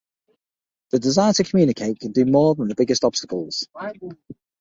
The desire to communicate can do more than the biggest obstacles.